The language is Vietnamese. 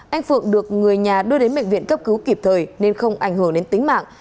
anh phượng được người nhà đưa đến bệnh viện cấp cứu kịp thời nên không ảnh hưởng đến tính mạng